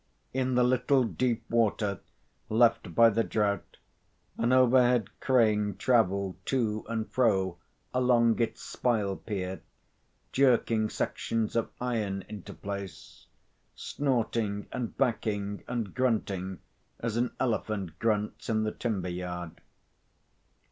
In the little deep water left by the drought, an overhead crane travelled to and fro along its spile pier, jerking sections of iron into place, snorting and backing and grunting as an elephant grunts in the timberyard.